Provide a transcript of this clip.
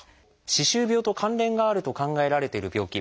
歯周病と関連があると考えられてる病気。